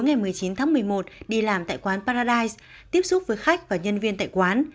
ngày một mươi chín tháng một mươi một đi làm tại quán paradise tiếp xúc với khách và nhân viên tại quán